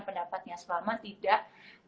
pendapatnya selama tidak